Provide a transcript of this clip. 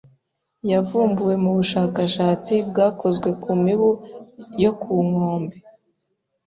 yavumbuwe mu bushakashatsi bwakozwe ku mibu yo kunkombe